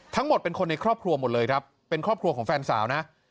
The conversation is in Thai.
ทั้งหมดเป็นคนในครอบครัวหมดเลยครับเป็นครอบครัวของแฟนสาวนะ